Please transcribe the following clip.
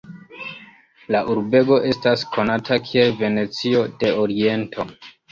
La urbego estas konata kiel Venecio de Oriento.